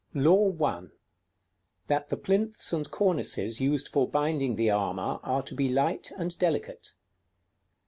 LAW I. _That the plinths and cornices used for binding the armor are to be light and delicate.